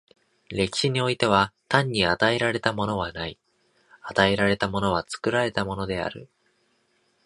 歴史においては、単に与えられたものはない、与えられたものは作られたものである。